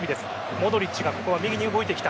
モドリッチが右に動いてきた。